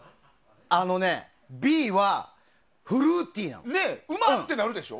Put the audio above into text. あのね、Ｂはフルーティーなの。